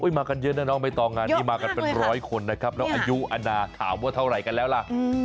มากันเยอะนะน้องใบตองงานนี้มากันเป็นร้อยคนนะครับแล้วอายุอนาถามว่าเท่าไหร่กันแล้วล่ะ